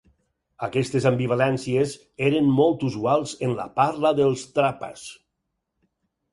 Aquestes ambivalències eren molt usuals en la parla dels Trapas.